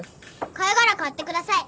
貝殻買ってください。